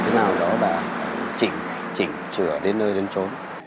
thứ nào đó đã chỉnh chỉnh chữa đến nơi đến chỗ